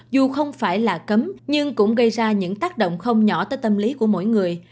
dù không phải là cấm nhưng cũng gây ra những tác động không nhỏ tới tâm lý của mỗi người